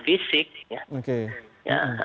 terjadi kekerasan fisik